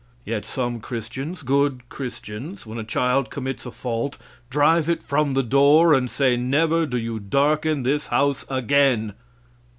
Yet some Christians, good Christians, when a child commits a fault, drive it from the door, and say, "Never do you darken this house again."